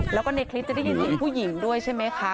แล้วก็ในคลิปจะได้ยินเสียงผู้หญิงด้วยใช่ไหมคะ